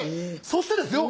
そしてですよ